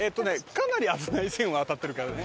かなり危ない線は渡ってるからね。